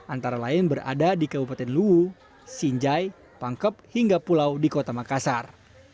antara lain berada di kabupaten luwu sinjai pangkep hingga pulau di kota makassar